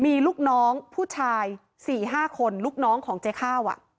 มีลูกน้องผู้ชาย๔๕คนลูกน้องของเจ๊ข้าว